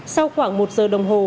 sau khoảng một giờ đồng hồ